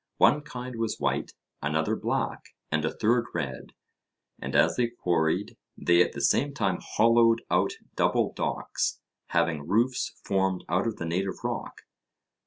One kind was white, another black, and a third red, and as they quarried, they at the same time hollowed out double docks, having roofs formed out of the native rock.